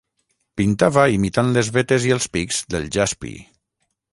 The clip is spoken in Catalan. Pintava imitant les vetes i els pics del jaspi.